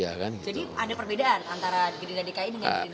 jadi ada perbedaan antara gerindra dki dengan gerindra dki